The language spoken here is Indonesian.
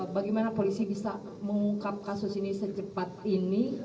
bagaimana polisi bisa mengungkap kasus ini secepat ini